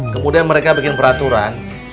kemudian mereka bikin peraturan